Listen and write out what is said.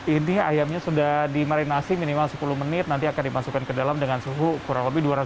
ini ayamnya sudah dimarinasi minimal sepuluh menit nanti akan dimasukkan ke dalam dengan suhu kurang lebih